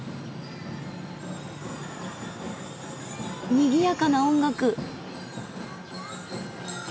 ・にぎやかな音楽。